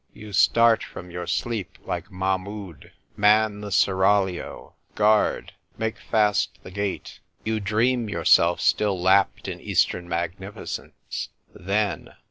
" You start from your sleep like Mahmood. ' Man the seraglio — guard ! Make fast the gate !' You dream yourself still lapped in Eastern magnificence. Then